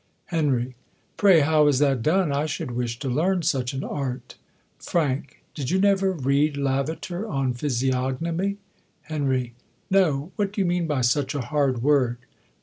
Henry, Pray hov/ is that done ? I should wish io learn such an art. Ft. Did you never read Lavater on Physiognomy ? Hen, No. What do you mean by such a hard word